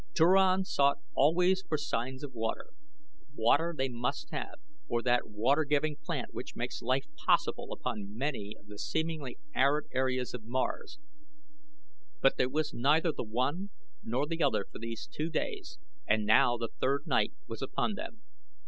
Turan sought always ahead for signs of water. Water they must have, or that water giving plant which makes life possible upon many of the seemingly arid areas of Mars; but there was neither the one nor the other for these two days and now the third night was upon them.